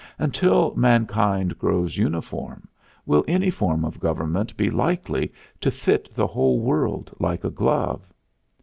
Until mankind grows uniform, will any form of government be likely to fit the whole world like a glove?